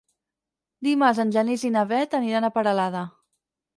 Dimarts en Genís i na Bet aniran a Peralada.